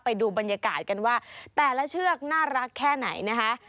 ไปดูบรรยากาศกันว่าแต่ละเชือกน่ารักแค่ไหนนะคะ